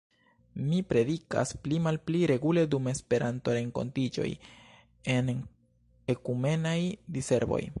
Mi predikas pli-malpli regule dum Esperanto-renkontiĝoj en ekumenaj diservoj.